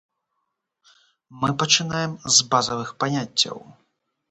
Мы пачынаем з базавых паняццяў.